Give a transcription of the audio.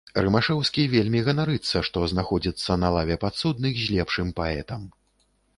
Рымашэўскі вельмі ганарыцца, што знаходзіцца на лаве падсудных з лепшым паэтам.